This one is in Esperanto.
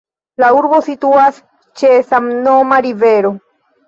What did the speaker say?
La urbo situas ĉe samnoma rivero.